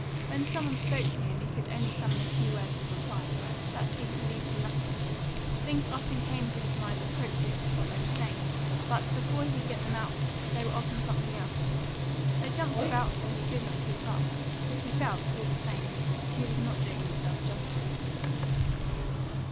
When some one spoke to him he could only summon a few words of reply, that seemed to lead to nothing; things often came into his mind appropriate to what they were saying, but before he could get them out they were off on something else; they jumped about so, he could not keep up; but he felt, all the same, that he was not doing himself justice.